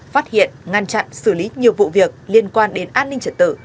phát hiện ngăn chặn xử lý nhiều vụ việc liên quan đến an ninh trật tự